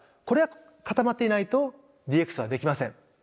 これが固まっていないとＤＸはできません。